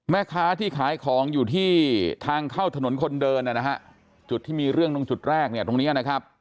แม่ค้าที่ขายของอยู่ที่ทางเข้าถนนคนเดินนะฮะจุดที่มีเรื่องตรงจุดแรกเนี่ยตรงเนี้ยนะครับ